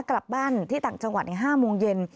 กลับบ้านที่ต่างจังหวัดใน๕โมงเย็น